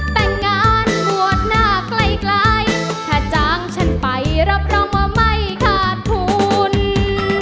แต่งงานบวชหน้าใกล้ถ้าจางฉันไปรับรองว่าไม่ขาดทุน